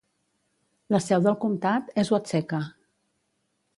La seu del comtat és Watseka.